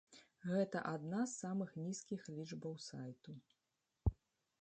Гэта адна з сама нізкіх лічбаў сайту.